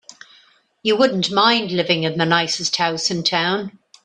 You wouldn't mind living in the nicest house in town.